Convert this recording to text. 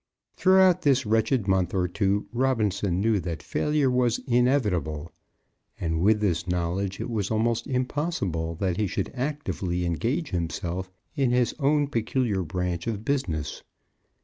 Throughout this wretched month or two Robinson knew that failure was inevitable, and with this knowledge it was almost impossible that he should actively engage himself in his own peculiar branch of business.